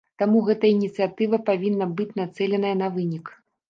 Таму гэтая ініцыятыва павінна быць нацэленая на вынік.